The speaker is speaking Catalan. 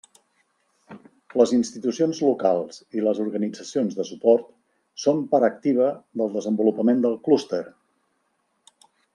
Les institucions locals i les organitzacions de suport són part activa del desenvolupament del clúster.